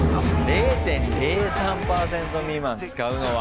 ０．０３％未満使うのは！